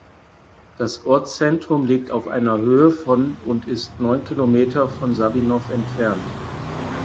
Das Ortszentrum liegt auf einer Höhe von und ist neun Kilometer von Sabinov entfernt.